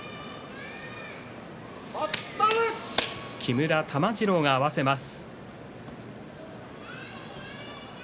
木村玉治郎が合わせます。